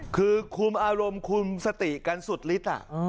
คือคุมอารมณ์คุมสติกันสุดฤทธิ์